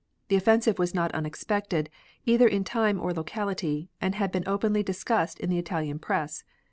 The offensive was not unexpected, either in time or locality, and had been openly discussed in the Italian press.